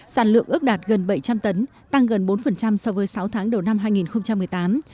sản lượng ước đạt gần bảy trăm linh tấn tăng gần bốn so với sáu tháng đầu năm hai nghìn một mươi tám